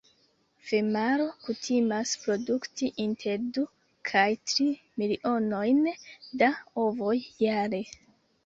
Femalo kutimas produkti inter du kaj tri milionojn da ovoj jare.